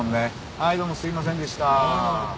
はいどうもすみませんでした。